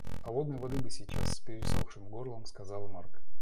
«Холодной воды бы сейчас», — с пересохшим горлом сказал Марк